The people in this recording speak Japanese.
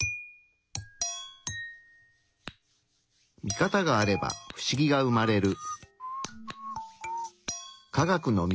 ミカタがあれば不思議が生まれる。